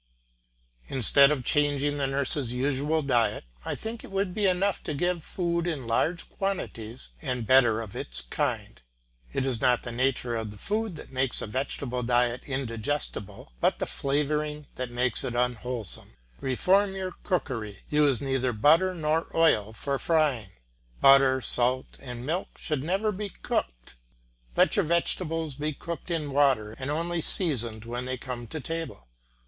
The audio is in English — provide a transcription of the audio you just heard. Instead of changing the nurse's usual diet, I think it would be enough to give food in larger quantities and better of its kind. It is not the nature of the food that makes a vegetable diet indigestible, but the flavouring that makes it unwholesome. Reform your cookery, use neither butter nor oil for frying. Butter, salt, and milk should never be cooked. Let your vegetables be cooked in water and only seasoned when they come to table.